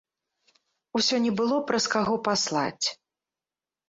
Усё не было праз каго паслаць.